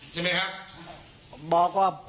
จะมั้ยครับ